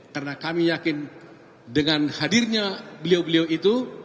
karena kami yakin dengan hadirnya beliau beliau itu